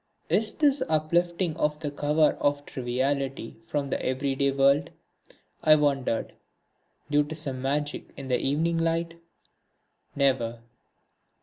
Is this uplifting of the cover of triviality from the everyday world, I wondered, due to some magic in the evening light? Never!